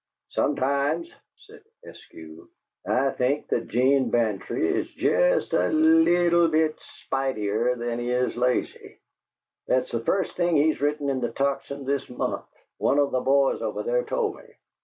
"Sometimes," said Eskew, "I think that 'Gene Bantry is jest a leetle bit spiderier than he is lazy. That's the first thing he's written in the Tocsin this month one of the boys over there told me.